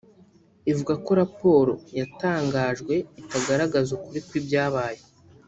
ivuga ko raporo yatangajwe itagaragaza ukuri kw’ibyabaye